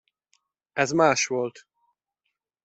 Ez más volt.